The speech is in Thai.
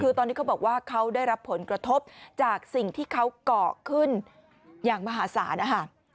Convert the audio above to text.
คือตอนนี้เขาบอกว่าเขาได้รับผลกระทบจากสิ่งที่เขาเกาะขึ้นอย่างมหาศาลนะคะ